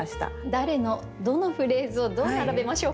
誰のどのフレーズをどう並べましょうか？